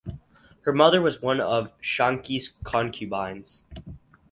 Her mother was one of Shanqi's concubines.